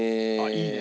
いいね。